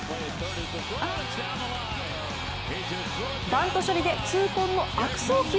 バント処理で痛恨の悪送球。